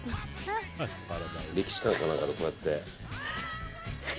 歴史館かなんかで、こうやって。